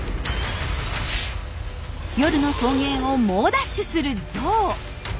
夜の草原を猛ダッシュするゾウ。